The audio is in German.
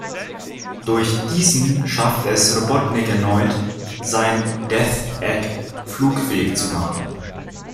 Durch diesen schafft es Robotnik erneut, sein "Death Egg" flugfähig zu machen.